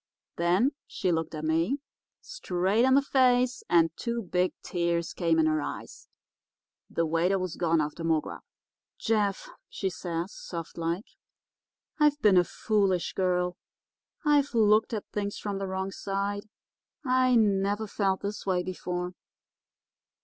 Then she looked at me, straight in the face, and two big tears came in her eyes. The waiter was gone after more grub. "'Jeff,' she says, soft like, 'I've been a foolish girl. I've looked at things from the wrong side. I never felt this way before.